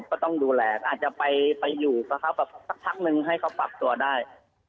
ก็ต้องดูแลก็อาจจะไปอยู่กับเขาแบบสักพักนึงให้เขาปรับตัวได้